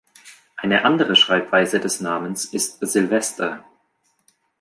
Eine andere Schreibweise des Namens ist Sylvester.